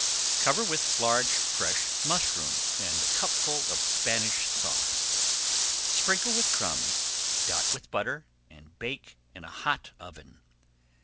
Cover with large fresh mushrooms and a cupful of Spanish Sauce. Sprinkle with crumbs, dot with butter, and bake in a hot oven.